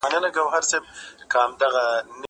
زه به اوږده موده مېوې وچولي وم!!